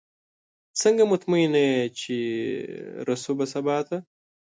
څنګه مطمئنه یې چې رسو به سباته؟